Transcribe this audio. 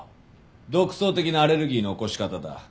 独創的なアレルギーの起こし方だ。